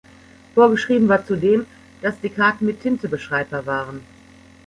Vorgeschrieben war zudem, dass die Karten mit Tinte beschreibbar waren.